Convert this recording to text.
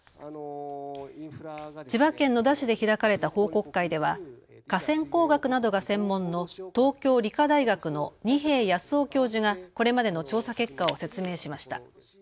千葉県野田市で開かれた報告会では河川工学などが専門の東京理科大学の二瓶泰雄教授がこれまでの調査結果を説明しました。